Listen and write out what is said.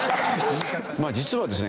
実はですね